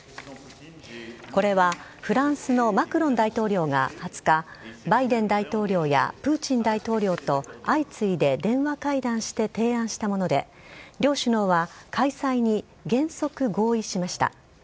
これはフランスのマクロン大統領が２０日、バイデン大統領やプーチン大統領と相次いで電話会談して提案したもので、両首脳は開催に原則合意しました。